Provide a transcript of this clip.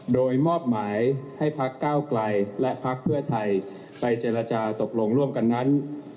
โดยมอบหมายให้พักก้าวไกลและพักเพื่อไทยไปเจรจาตกลงร่วมกันนั้น